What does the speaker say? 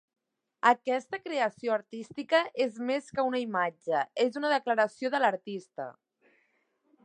Aquesta creació artística és més que una imatge, és una declaració de l'artista.